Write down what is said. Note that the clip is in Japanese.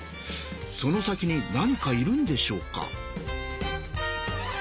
その先に何かいるんでしょうか。